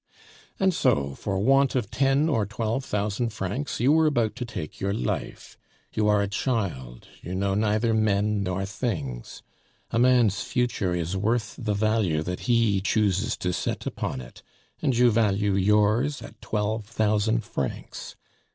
"And so for want of ten or twelve thousand francs, you were about to take your life; you are a child, you know neither men nor things. A man's future is worth the value that he chooses to set upon it, and you value yours at twelve thousand francs!